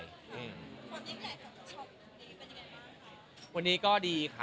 วันนี้แค่ชอบดีเป็นยังไงบ้างครับ